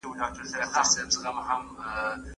د بل چا لخوا په زور يا فريب نشه ورکړل سوې وه.